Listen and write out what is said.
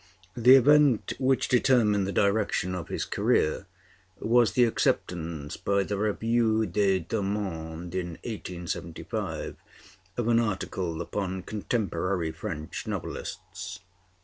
The event which determined the direction of his career was the acceptance by the Revue des Deux Mondes, in 1875, of an article upon contemporary French novelists.